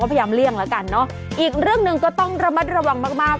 พยายามเลี่ยงแล้วกันเนอะอีกเรื่องหนึ่งก็ต้องระมัดระวังมากมาก